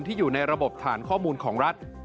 อยู่ในระบบฐานข้อมูลของรัฐ